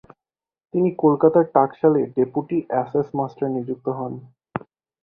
তিনি কলকাতার টাঁকশালে ডেপুটি অ্যাসেস মাস্টার নিযুক্ত হন।